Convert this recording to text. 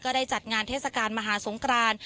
ได้จัดงานเทศกาลมหาสงคราน